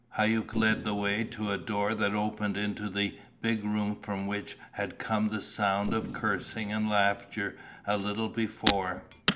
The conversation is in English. Hauck led the way to a door that opened into the big room from which had come the sound of cursing and laughter a little before.